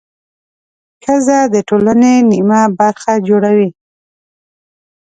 ښځه د ټولنې نیمه برخه جوړوي.